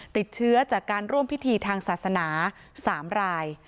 ติดเชื้อจากการร่วมพิธีทางศาสนา๓ราย